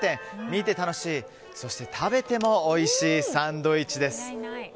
見て楽しいそして食べてもおいしいサンドイッチです。